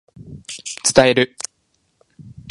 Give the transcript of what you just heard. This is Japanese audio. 伝える